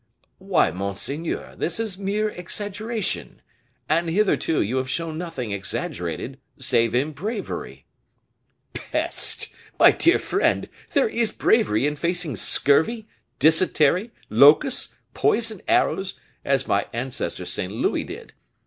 "Why, monseigneur, this is mere exaggeration; and hitherto you have shown nothing exaggerated save in bravery." "Peste! my dear friend, there is bravery in facing scurvy, dysentery, locusts, poisoned arrows, as my ancestor St. Louis did.